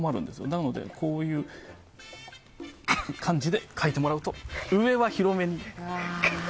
なので、こういう感じで描いてもらうと、上は広めに。